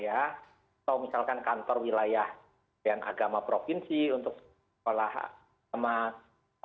atau misalkan kantor wilayah agama provinsi untuk sekolah